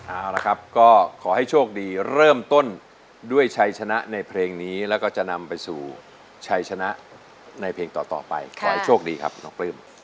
เอาละครับก็ขอให้โชคดีเริ่มต้นด้วยชัยชนะในเพลงนี้แล้วก็จะนำไปสู่ชัยชนะในเพลงต่อไปขอให้โชคดีครับน้องปลื้ม